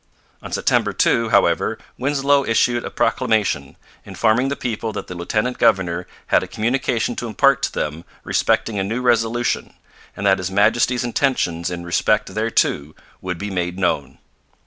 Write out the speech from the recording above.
On September 2, however, Winslow issued a proclamation informing the people that the lieutenant governor had a communication to impart to them respecting a new resolution, and that His Majesty's intentions in respect thereto would be made known.